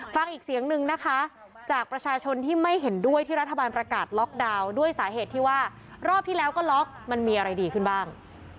ฟังอีกเสียงนึงนะคะจากประชาชนที่ไม่เห็นด้วยที่รัฐบาลประกาศล็อกดาวน์ด้วยสาเหตุที่ว่ารอบที่แล้วก็ล็อกมันมีอะไรดีขึ้นบ้าง